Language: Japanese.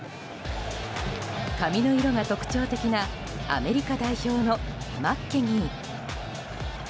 髪の色が特徴的なアメリカ代表のマッケニー。